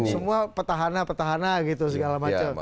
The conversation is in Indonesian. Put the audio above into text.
semua petahana petahana gitu segala macam